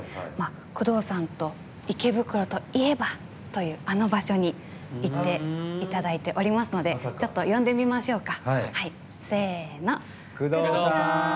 宮藤さんと、池袋といえばというあの場所に行っていただいておりますのでちょっと、呼んでみましょうか。